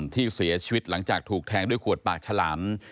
ที่เสียชีวิตหลังจากถูกแทงด้วยขวดปากฉลาม